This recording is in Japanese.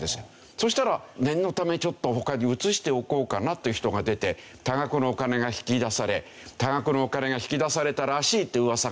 そしたら念のためちょっと他に移しておこうかなという人が出て多額のお金が引き出され多額のお金が引き出されたらしいっていう噂がワーッと広がって。